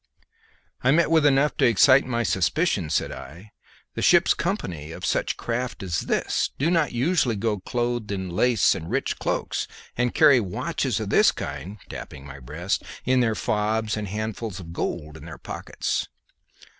"I met with enough to excite my suspicion," said I. "The ship's company of such a craft as this do not usually go clothed in lace and rich cloaks, and carry watches of this kind," tapping my breast, "in their fobs and handfuls of gold in their pockets."